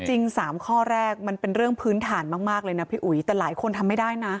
จริง๓ข้อแรกมันเป็นเรื่องพื้นฐานมากเลยนะพี่อุ๋ยแต่หลายคนทำไม่ได้นะ